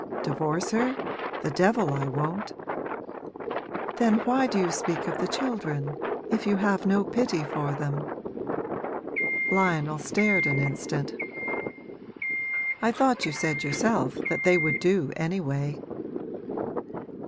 'Divorce her? The devil I won't!' 'Then why do you speak of the children if you have no pity for them?' Lionel stared an instant. 'I thought you said yourself that they would do anyway!'